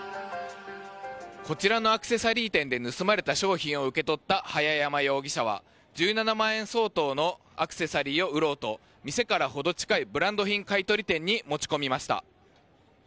こちらのアクセサリー店で盗まれた商品を受け取った早山容疑者は１７万円相当のアクセサリーを売ろうと店から程近いブランド品買い取り店に持ち込みました。